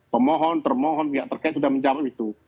pemohon termohon pihak terkait sudah menjawab itu